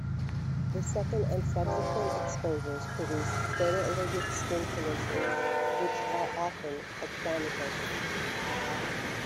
The second and subsequent exposures produce photoallergic skin conditions which are often eczematous.